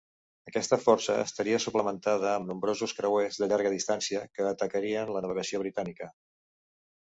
Aquesta força estaria suplementada amb nombrosos creuers de llarga distància que atacarien la navegació britànica.